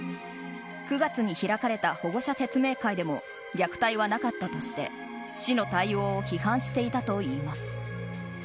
９月に開かれた保護者説明会でも虐待はなかったとして市の対応を批判していたといいます。